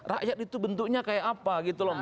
rakyat itu bentuknya kayak apa